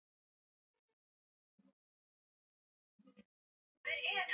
Waliokuja wamerudi.